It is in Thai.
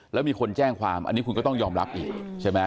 แล้วมีคนแจ้งความอันนี้คุณก็ต้องยอมรับอีกใช่ไหม